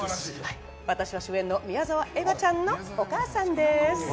私は主演の宮澤エマちゃんのお母さんです。